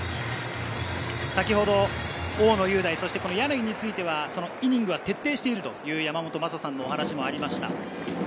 先ほど、大野雄大、柳についてはイニングは徹底しているという山本昌さんのお話もありました。